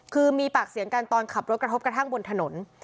คือมีปากเสียงกันตอนขับรถกระทบกระทั่งบนถนน